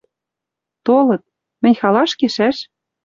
Толыт. Мӹнь халаш кешӓш?